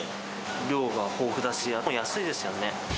量が豊富だし、あと安いですよね。